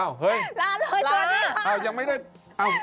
อ้าวเฮ้ยลาเลยสวัสดีครับ